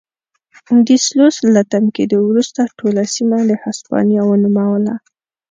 ډي سلوس له تم کېدو وروسته ټوله سیمه د هسپانیا ونوموله.